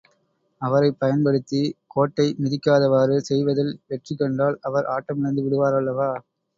அவரைப் பயப்படுத்தி, கோட்டை மிதிக்காதவாறு செய்வதில் வெற்றி கண்டால், அவர் ஆட்டமிழந்து விடுவாரல்லவா?